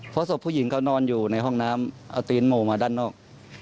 เพราะศพผู้หญิงเขานอนอยู่ในห้องน้ำเอาตีนหมู่มาด้านนอก